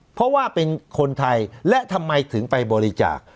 เพราะว่าเป็นคนไทยและทำไมถึงไปบริจาค